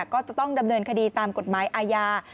ก็จะต้องดำเนินคดีตามกฎหมายอาญา